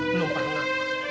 belum pernah pak